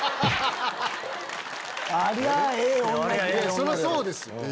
そりゃそうですよ。